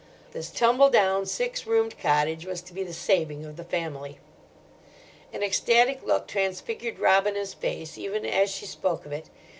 This tumble down, six roomed cottage was to be the saving of the family. An ecstatic look transfigured Robina's face even as she spoke of it.